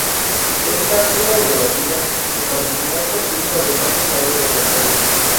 Ésta ha quedado debatida, en particular por culpa del mal estado de la tela.